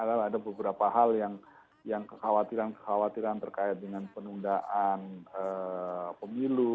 ada beberapa hal yang kekhawatiran kekhawatiran terkait dengan penundaan pemilu